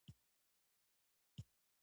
رسۍ د نښلولو سمبول ده.